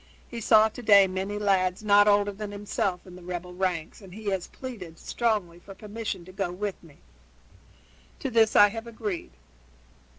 He saw to day many lads not older than himself in the rebel ranks, and he has pleaded strongly for permission to go with me. To this I have agreed.